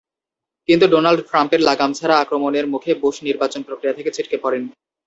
কিন্তু ডোনাল্ড ট্রাম্পের লাগামছাড়া আক্রমণের মুখে বুশ নির্বাচন প্রক্রিয়া থেকে ছিটকে পড়েন।